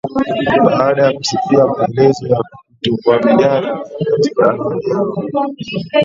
baada ya kusikia maelezo ya kutokuaminiana katika anwani yao